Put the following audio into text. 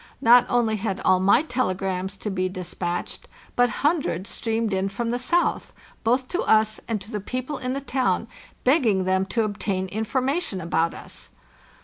Not only had all my telegrams to be despatched, but hundreds streamed in from the south — both to us and to the people in the town, begging them to obtain in formation about us.